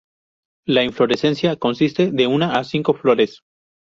La inflorescencia consiste de una a cinco flores.